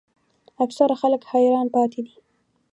اکثره خلک حیران پاتې دي.